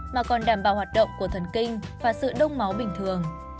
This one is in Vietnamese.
mà còn đảm bảo hoạt động của thần kinh và sự đông máu bình thường